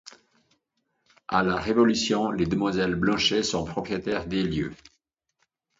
À la Révolution, les demoiselles Blanchet sont propriétaires des lieux.